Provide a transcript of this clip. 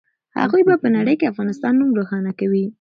هغوی په نړۍ کې د افغانستان نوم روښانه کوي.